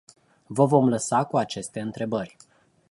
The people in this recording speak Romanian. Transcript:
Vă vom lăsa cu aceste întrebări.